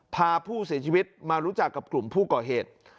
พาผู้เสียชีวิตมารู้จักกับกลุ่มผู้ก่อเหตุ